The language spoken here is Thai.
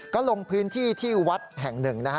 ก็ลงพื้นที่ที่วัดแห่งหนึ่งนะฮะ